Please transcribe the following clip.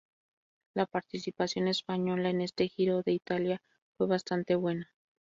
La participación española en este Giro de Italia fue bastante buena.